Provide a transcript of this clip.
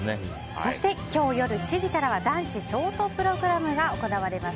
そして今日夜７時からは男子ショートプログラムが行われます。